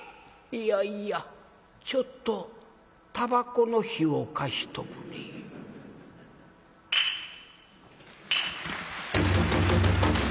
「いやいやちょっとたばこの火を貸しとくれ」。